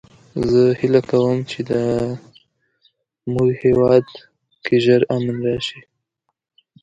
زه هیله کوم چې د مونږ هیواد کې ژر امن راشي